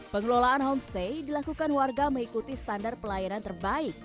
pengelolaan homestay dilakukan warga mengikuti standar pelayanan terbaik